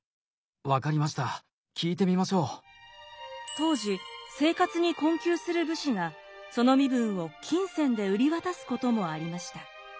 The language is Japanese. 当時生活に困窮する武士がその身分を金銭で売り渡すこともありました。